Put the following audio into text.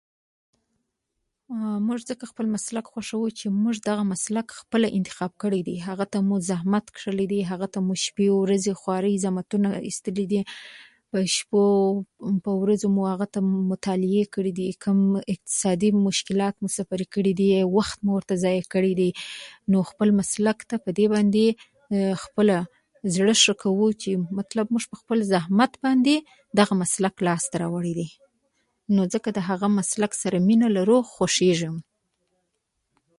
موږ ځکه خپل مسلک خوښوو چې موږ دغه مسلک خپله انتخاب کړی دی، هغه ته مو زحمت کښلی دی، هغه ته مو شپې او ورځې زحمتونه ایستلي دي. په شپو او ورځو مو هغه ته مطالعې کړي دي، کوم اقتصادي مشکلات مو سپري کړي دي، وخت مو ضایع کړی دی. نو خپل مسلک ته په دې باندې خپله زړه ښه کوو چې مطلب موږ په خپل زحمت باندې دغه مسلک لاسته راوړی دی. نو ځکه د هغه مسلک سره مینه لرو، خوښېږو مو.